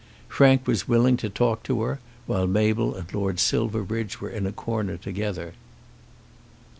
Frank was willing to talk to her, while Mabel and Lord Silverbridge were in a corner together.